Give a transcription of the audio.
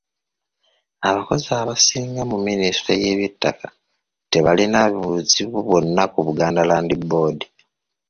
Abakozi abasinga mu minisitule y'eby'ettaka tebaalina buzibu bwonna ku Buganda Land Board.